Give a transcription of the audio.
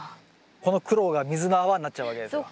この苦労が水の泡になっちゃうわけですよ。